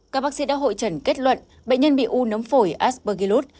các bác sĩ đã hội trần kết luận bệnh nhân bị u nấm phổi asburgillus